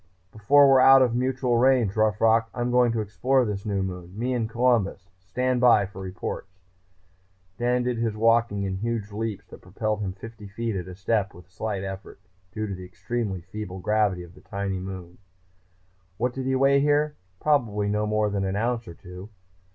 "Before we're out of mutual range, Rough Rock, I'm going to explore this new moon. Me and Columbus! Stand by for reports." Dan did his walking in huge leaps that propelled him fifty feet at a step with slight effort, due to the extremely feeble gravity of the tiny body. What did he weigh here? Probably no more than an ounce or two.